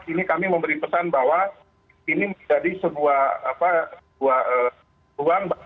ini kami memberi pesan bahwa ini menjadi sebuah ruang